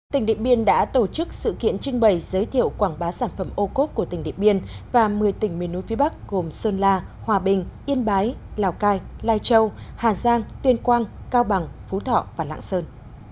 tỉnh điện biên đã tổ chức sự kiện trưng bày giới thiệu quảng bá sản phẩm ô cốp của tỉnh điện biên và một mươi tỉnh miền núi phía bắc gồm sơn la hòa bình yên bái lào cai lai châu hà giang tuyên quang cao bằng phú thọ và lạng sơn